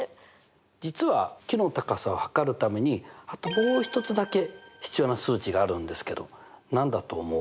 実は木の高さを測るためにあともうひとつだけ必要な数値があるんですけど何だと思う？